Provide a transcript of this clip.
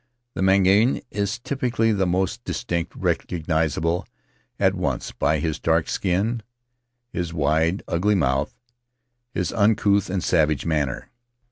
The Mangaian is certainly the most distinct, recognizable at once by his dark skin, his wide, ugly mouth, his uncouth and savage manner.